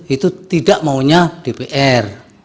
itu tidak maunya dpr